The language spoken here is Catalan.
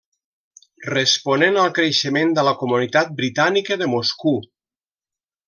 Responent al creixement de la comunitat britànica de Moscou.